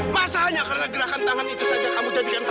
masa hanya karena gerakan tangan itu saja kamu jadikan patokan